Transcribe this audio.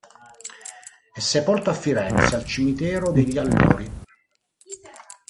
È sepolto a Firenze, al cimitero degli Allori.